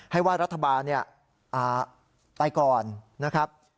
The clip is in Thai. ให้ว่ารัฐบาลไปก่อนนะครับ